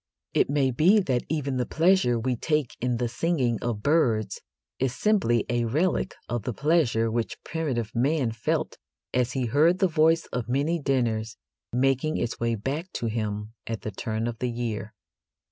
It may be that even the pleasure we take in the singing of birds is simply a relic of the pleasure which primitive man felt as he heard the voice of many dinners making its way back to him at the turn of the year.